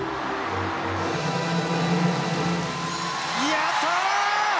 やった！